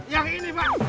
yang ini pak